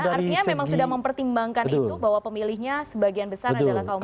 artinya memang sudah mempertimbangkan itu bahwa pemilihnya sebagian besar adalah kaum muda